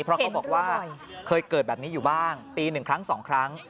เพราะเขาบอกว่าเคยเกิดแบบนี้อยู่บ้างปี๑ครั้ง๒ครั้ง